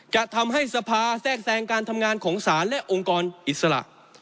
จะทำให้สภาแทรกแทรงการทำงานของศาลและองค์กรอิสระ